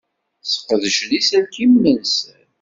Sqedcen iselkimen-nsen.